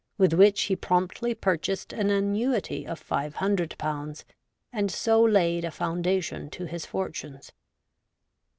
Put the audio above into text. with which he promptly purchased an annuity of 500/., and so laid a foundation to his fortunes.